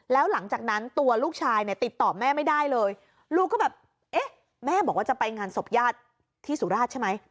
แล้วหลังจากนั้นตัวลูกชายเนี่ยติดต่อแม่ไม่ได้เลยลูกก็แบบเอ๊ะแม่บอกว่าจะไปงานศพญาติที่สุราชใช่ไหม